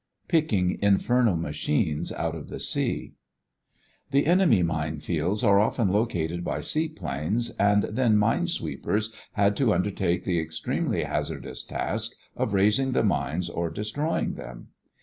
PICKING INFERNAL MACHINES OUT OF THE SEA The enemy mine fields were often located by seaplanes and then mine sweepers had to undertake the extremely hazardous task of raising the mines or destroying them.